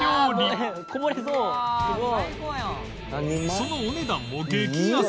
そのお値段も激安！